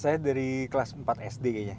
saya dari kelas empat sd kayaknya